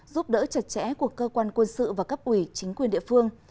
giúp đỡ chặt chẽ của cơ quan quân sự và cấp ủy chính quyền địa phương